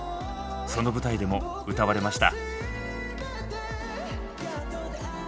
その舞台でも歌われました。